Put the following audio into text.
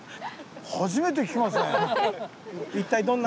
初めて聞きますね。